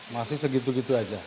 masih segitu gitu aja